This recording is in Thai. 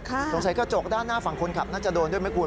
กระจกด้านหน้าฝั่งคนขับน่าจะโดนด้วยไหมคุณ